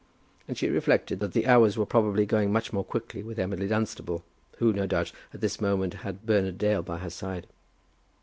And she reflected that the hours were probably going much more quickly with Emily Dunstable, who, no doubt, at this moment had Bernard Dale by her side.